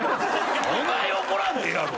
そない怒らんでええやろ。